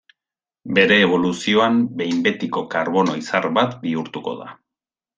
Bere eboluzioan behin betiko karbono izar bat bihurtuko da.